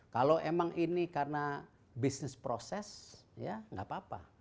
kalau emang ini karena bisnis proses ya nggak apa apa